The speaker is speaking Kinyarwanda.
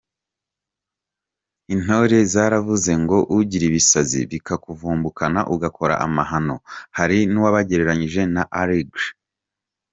Intore zaravuze ngo ugira ibisazi bikuvumbukana ugakora amahano, hari n’uwabagireranije na allergy.